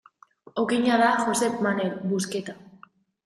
Okina da Josep Manel Busqueta.